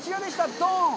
ドン！